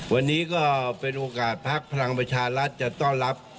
วันนี้ก็เป็นโอกาสพักพลังประชารัฐจะต้อนรับ